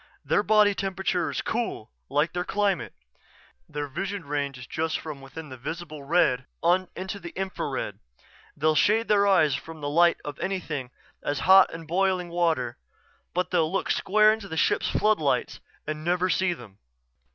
Their body temperature is cool, like their climate. Their vision range is from just within the visible red on into the infrared. They'll shade their eyes from the light of anything as hot as boiling water but they'll look square into the ship's floodlights and never see them."